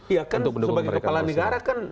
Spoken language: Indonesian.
iya kan sebagai kepala negara kan